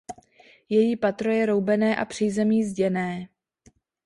Její patro je roubené a přízemí zděné.